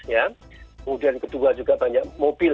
ya kemudian kedua juga banyak mobil